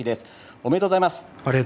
おめでとうございます。